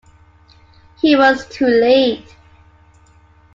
He was too late.